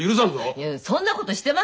いえそんなことしてませんよ